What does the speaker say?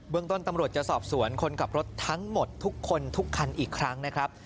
ต้นตำรวจจะสอบสวนคนขับรถทั้งหมดทุกคนทุกคันอีกครั้งนะครับ